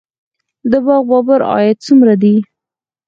د باغ بابر عاید څومره دی؟